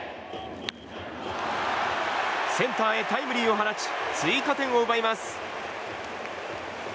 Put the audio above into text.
センターへタイムリーを放ち追加点を奪います。